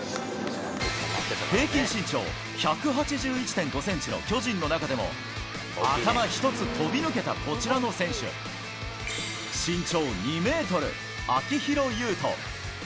平均身長１８１．５センチの巨人の中でも、頭一つ飛び抜けたこちらの選手、身長２メートル、秋広優人。